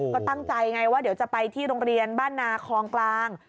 ก็ตั้งใจไงว่าเดี๋ยวจะไปที่โรงเรียนบ้านนาคลองกลาง